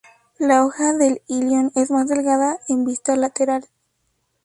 La hoja del ilion es más delgada en vista lateral.